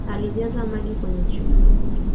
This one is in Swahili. Alijaza maji kwenye chupa